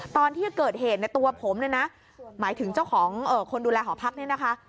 ตอนที่เกิดเหตุในตัวผมเนี่ยนะหมายถึงเจ้าของคนดูแลหอพักเนี่ยนะคะ